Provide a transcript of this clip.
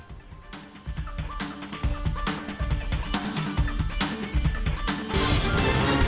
beritahu semuanya ya